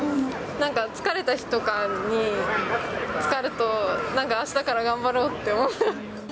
なんか疲れた日とかにつかると、なんかあしたから頑張ろうって思えます。